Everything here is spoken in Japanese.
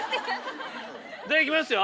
じゃあいきますよ。